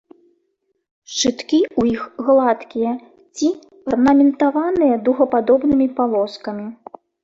Шчыткі ў іх гладкія ці арнаментаваныя дугападобнымі палоскамі.